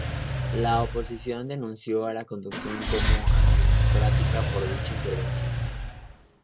La oposición denunció a la conducción como antidemocrática por dicha intervención.